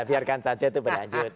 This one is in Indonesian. biarkan saja itu berlanjut